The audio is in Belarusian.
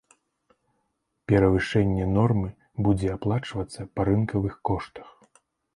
Перавышэнне нормы будзе аплачвацца па рынкавых коштах.